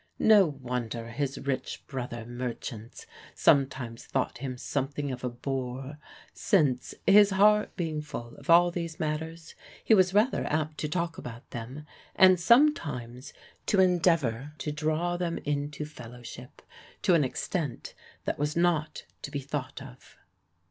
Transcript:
No wonder his rich brother merchants sometimes thought him something of a bore, since, his heart being full of all these matters, he was rather apt to talk about them, and sometimes to endeavor to draw them into fellowship, to an extent that was not to be thought of.